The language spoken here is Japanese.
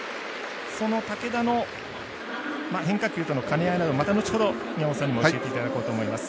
その武田の変化球との兼ね合いなど、後ほど宮本さんにも教えていただこうと思います。